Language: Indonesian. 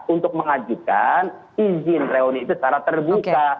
untuk mengajukan izin reuni itu secara terbuka